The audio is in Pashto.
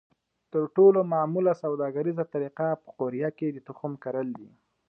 تر ټولو معموله سوداګریزه طریقه په قوریه کې د تخم کرل دي.